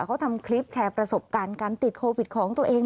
เขาทำคลิปแชร์ประสบการณ์การติดโควิดของตัวเอง